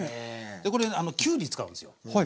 これきゅうり使うんですよ。